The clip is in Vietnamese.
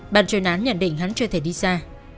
bản trời nán nhận định hắn chưa thể đi xa